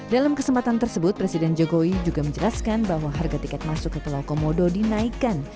dalam kesempatan tersebut presiden jokowi juga menjelaskan bahwa harga tiket masuk ke pulau komodo dinaikkan